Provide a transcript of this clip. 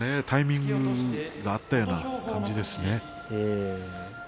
タイミングは合ったような感じですね。